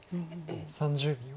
３０秒。